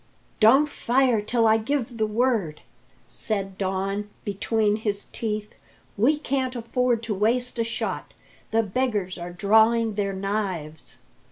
"Don't fire till I give the word," said Don between his teeth. "We can't afford to waste a shot. The beggars are drawing their knives."